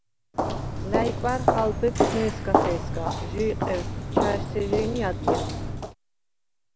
ლა̈ჲკვა̈რხ ალ ბეფშვ ნე̄სგათე̄სგა, ჟი იყირხ ჩაჟვთეჟი̄ნ ი ადჲეხ.